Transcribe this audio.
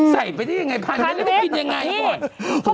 ใส่ไปได้ยังไงพันเมตรแล้วก็กินยังไง